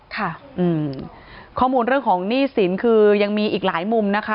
ค่ะอืมข้อมูลเรื่องของหนี้สินคือยังมีอีกหลายมุมนะคะ